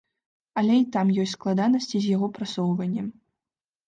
Але і там ёсць складанасці з яго прасоўваннем.